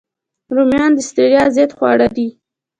رومیان د ستړیا ضد خواړه دي